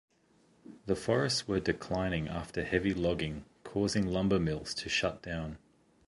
The forests were declining after heavy logging, causing lumber mills to shut down.